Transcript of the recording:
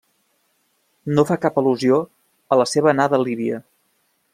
No fa cap al·lusió a la seva anada a Líbia.